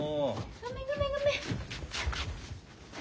ごめんごめんごめん。